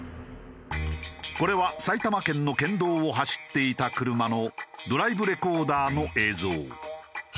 これは埼玉県の県道を走っていた車のドライブレコーダーの映像。